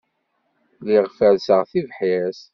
Lliɣ ferrseɣ tibḥirt.